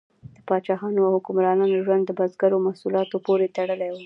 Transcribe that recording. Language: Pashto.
د پاچاهانو او حکمرانانو ژوند د بزګرو محصولاتو پورې تړلی و.